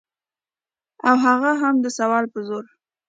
او هغه هم د سوال په زور.